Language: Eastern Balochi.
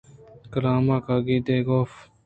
کلام ءِ کاگد ے اف